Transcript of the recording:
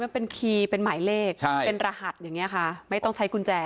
มันเป็นคีย์เป็นหมายเลขใช่เป็นรหัสอย่างนี้ค่ะไม่ต้องใช้กุญแจ